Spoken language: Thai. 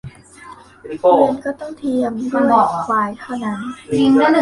เกวียนก็ต้องเทียมด้วยควายเท่านั้น